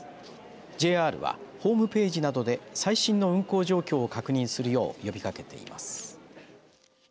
ＪＲはホームページなどで最新の運行状況を確認するよう呼びかけています。